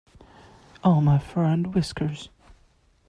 Oh my fur and whiskers!